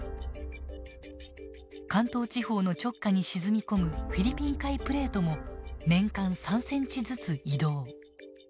関東地方の直下に沈み込むフィリピン海プレートも年間３センチずつ移動。